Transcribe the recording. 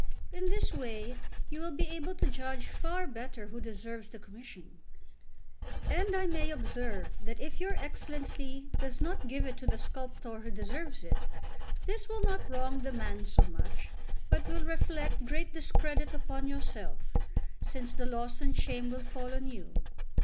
In this way you will be able to judge far better who deserves the commission; and I may observe that if your Excellency does not give it to the sculptor who deserves it, this will not wrong the man so much, but will reflect great discredit upon yourself, since the loss and shame will fall on you.